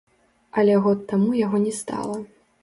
Але год таму яго не стала.